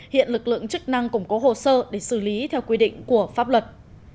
hiện lực lượng chức năng cũng có hồ sơ để xử lý theo quy định của pháp luật